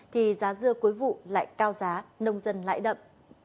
thì giá dưa cuối vụ lại cao giá nông dân lãi đậm